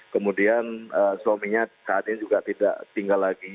kemudian suaminya kak adin juga tidak tinggal lagi